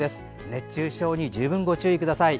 熱中症に、十分ご注意ください。